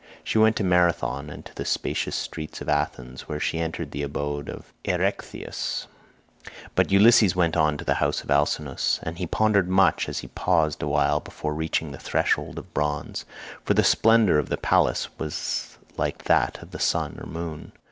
She went to Marathon59 and to the spacious streets of Athens, where she entered the abode of Erechtheus; but Ulysses went on to the house of Alcinous, and he pondered much as he paused a while before reaching the threshold of bronze, for the splendour of the palace was like that of the sun or moon.